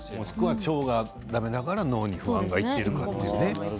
腸がだめだから脳に不安がいっているとかね。